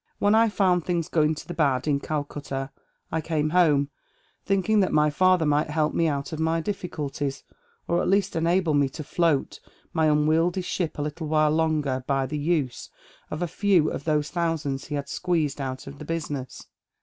When I found things going to the bad in Calcutta, I came home, thinking that my father might help me out of my difficulties, or at least enable me to float my unwieldy ship a little while longer by the use of a few of those thousands he had squeezed out of the business.